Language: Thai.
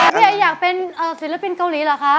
พี่ไออยากเป็นศิลปินเกาหลีเหรอคะ